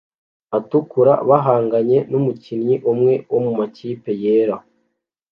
atukura bahanganye numukinnyi umwe wo mumakipe yera